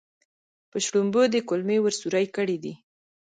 په شړومبو دې کولمې ور سورۍ کړې دي.